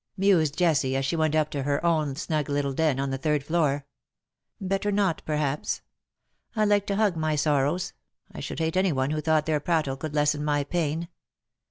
mused Jessie, as she went up to her own snug little den on the third floor. "Better not, perhaps. I like to hug my sorrows. I should hate any one who thought their prattle could lessen my pain.